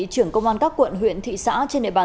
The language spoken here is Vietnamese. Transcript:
trưởng công an các quận huyện thị xã trên địa bàn